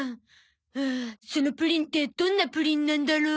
はあそのプリンってどんなプリンなんだろ？